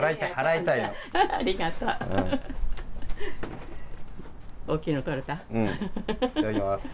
いただきます。